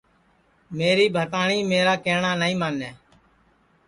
میری بھتاٹؔی میرا کیہٹؔا نائی مانے